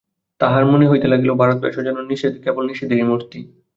তাহার মনে হইতে লাগিল, ভারতবর্ষ যেন কেবল নিষেধেরই মূর্তি।